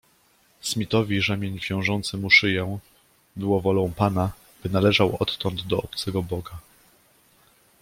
Smithowi rzemień wiążący mu szyję - było wolą pana, by należał odtąd do obcego boga.